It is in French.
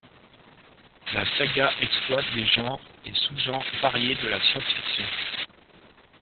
La saga exploite des genres et sous-genres variés de la science-fiction.